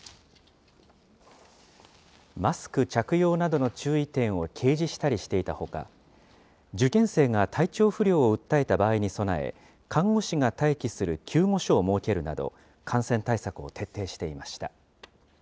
マスク着用などの注意点を掲示したりしていたほか、受験生が体調不良を訴えた場合に備え、看護師が待機する救護所を設けるなど、感染対策を徹底していました。